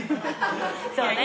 そうね。